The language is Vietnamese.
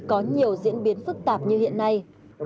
có nhiều diễn biến phức tạp như hiện nay